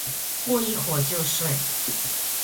过一会就睡